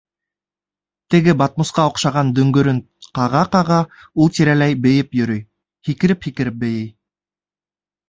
Теге батмусҡа оҡшаған дөңгөрөн ҡаға-ҡаға, ут тирәләй бейеп йөрөй. һикереп-һикереп бейей.